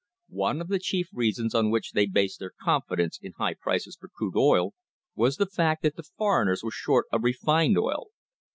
One of the chief reasons on which they based their confidence in high prices for crude oil was the fact that the foreigners were short of refined oil.